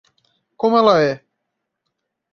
Como ela é?